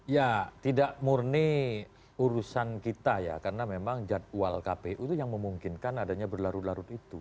ya tidak murni urusan kita ya karena memang jadwal kpu itu yang memungkinkan adanya berlarut larut itu